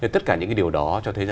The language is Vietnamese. tất cả những điều đó cho thấy